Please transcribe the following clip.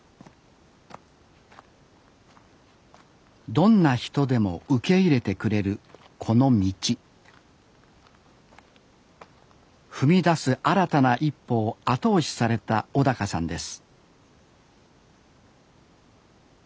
どんな人でも受け入れてくれるこの道踏み出す新たな一歩を後押しされた小さんです